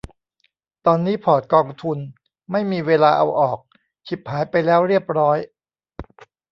ตอนนี้พอร์ตกองทุน ไม่มีเวลาเอาออก ฉิบหายไปแล้วเรียบร้อย